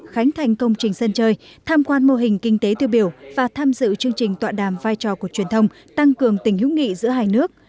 khánh thành công trình sân chơi tham quan mô hình kinh tế tiêu biểu và tham dự chương trình tọa đàm vai trò của truyền thông tăng cường tình hữu nghị giữa hai nước